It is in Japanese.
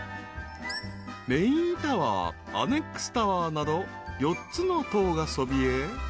［メインタワーアネックスタワーなど４つの棟がそびえ］